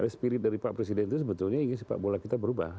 karena spirit dari pak presiden itu sebetulnya ini sepak bola kita berubah